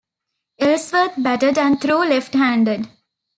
Ellsworth batted and threw left-handed.